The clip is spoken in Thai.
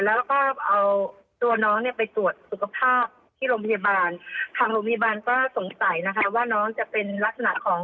แล้วก็เอาตัวน้องเนี่ยไปตรวจสุขภาพที่โรงพยาบาลทางโรงพยาบาลก็สงสัยนะคะว่าน้องจะเป็นลักษณะของ